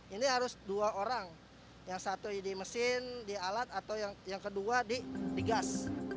ini harus dua orang yang satu di mesin di alat atau yang kedua di gas